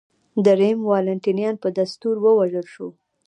درېیم والنټینیان په دستور ووژل شو